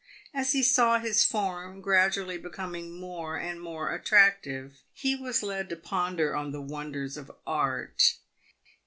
As he saw his form gradually becoming more and more attractive, he was led to ponder on the wonders of art.